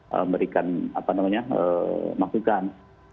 memberikan apa namanya masukan